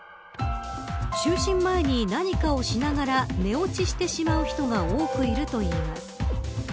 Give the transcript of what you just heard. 就寝前に何かをしながら寝落ちをしてしまう人が多くいるといいます。